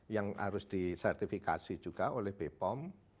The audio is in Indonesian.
yang harus disertifikasi juga oleh bepom